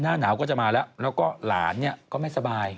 หน้าหนาวก็จะมาแล้วแล้วก็หลานเนี่ยก็ไม่สบาย